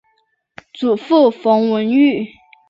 祖父冯文玉。